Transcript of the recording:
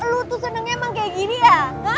lu tuh senengnya emang kayak gini ya